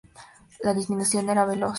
La disminución era veloz.